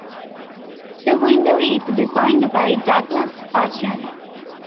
The window is designed by Douglas Strachan.